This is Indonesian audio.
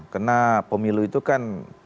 karena pemilu itu kan